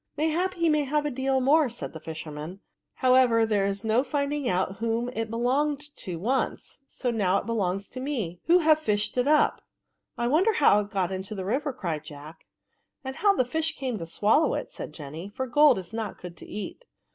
" Mayhap, he may have a deal more," said the fisherman ;" however, there's no fiTif|ing out whom it belonged to once, so now it belongs to me, who have fished it up." " I wonder how it got into the river," cried Jack. *' And how the fish came to swallow it," said Jenny, " for gold is not good to eat."